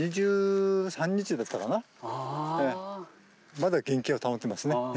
まだ原形を保ってますね。